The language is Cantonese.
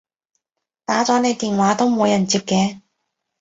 打咗你電話都冇人接嘅